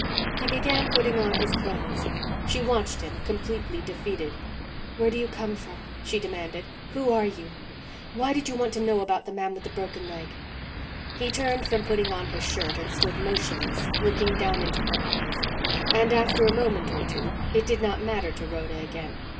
He began putting on his clothes. She watched him, completely defeated. "Where do you come from?" she demanded. "Who are you? Why did you want to know about the man with the broken leg?" He turned from putting on his shirt and stood motionless, looking down into her eyes and after a moment or two it did not matter to Rhoda again.